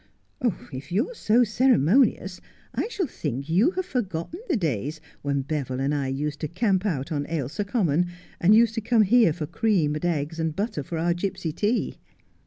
118 Just as I Am. ' If you are so ceremonious I shall think you have forgotten the days when Beville and I used to camp out on Ailsa Common, and used to come here for cream and eggs and butter for our gipsy tea.'